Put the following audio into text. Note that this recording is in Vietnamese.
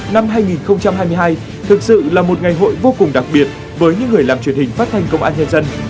năm hai nghìn hai mươi hai thực sự là một ngày hội vô cùng đặc biệt với những người làm truyền hình phát thanh công an nhân dân